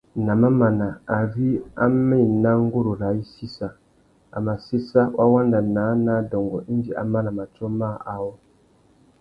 Nà mamana, ari a mà ena nguru râā i sissa, a mà séssa wa wanda naā nà adôngô indi a mana matiō mâā awô.